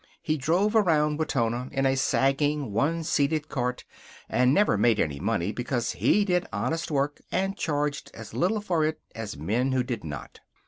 He drove around Wetona in a sagging, one seated cart and never made any money because he did honest work and charged as little for it as men who did not.